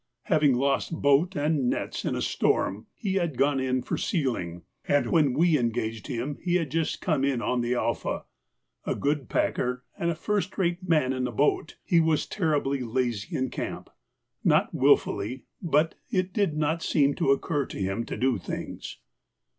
Having lost boat and nets in a storm he had gone in for sealing, and when we engaged him had just come in on the 'Alpha.' A good packer, and a first rate man in a boat, he was terribly lazy in camp, not wilfully, but it didn't seem to occur to him to do things.